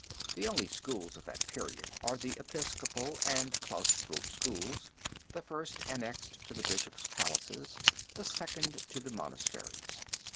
The only schools of that period are the Episcopal and claustral schools, the first annexed to the Bishops' palaces, the second to the monasteries.